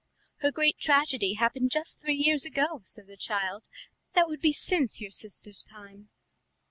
"Her great tragedy happened just three years ago," said the child; "that would be since your sister's time."